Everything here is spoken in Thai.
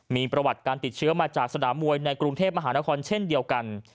มีประวัติการติดเชื้อมาจากสนามมวยในกรุงเทพมหานครเช่นเดียวกัน